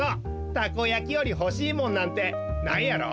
たこやきよりほしいもんなんてないやろ？